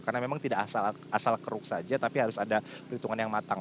karena memang tidak asal keruk saja tapi harus ada perhitungan yang matang